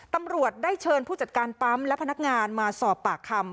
ตำรวจได้เชิญผู้จัดการปั๊มและพนักงานมาสอบปากคำ